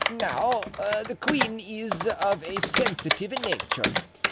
Now, the queen is of a sensitive nature.